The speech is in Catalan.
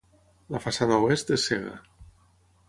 La façana Oest és cega.